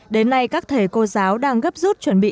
đến nay các thầy cô giáo đang gấp rút chuẩn bị